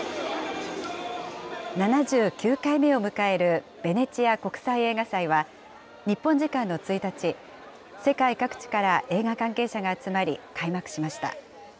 ７９回目を迎えるベネチア国際映画祭は、日本時間の１日、世界各地から映画関係者が集まり、開幕しました。